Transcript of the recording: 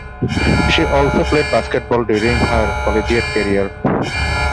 She also played basketball during her collegiate career.